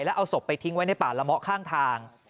แล้วเอาศพไปทิ้งไว้ในป่าละเมาะข้างทาง